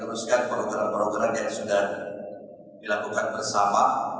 dan juga kami akan meneruskan program program yang sudah dilakukan bersama